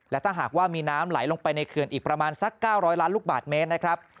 และถ้าหากว่ามีน้ำไหลลงไปในเขื่อนอีกประมาณสัก๙๐๐ล้านลูกบาทเมตรนะครับ